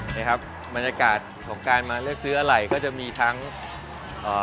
นะครับบรรยากาศของการมาเลือกซื้ออะไรก็จะมีทั้งเอ่อ